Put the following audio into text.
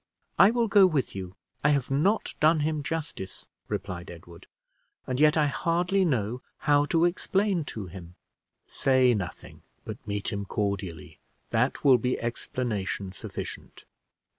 "I will go with you. I have not done him justice," replied Edward; "and yet I hardly know how to explain to him." "Say nothing, but meet him cordially; that will be explanation sufficient."